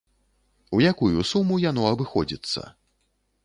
У якую суму яно абыходзіцца?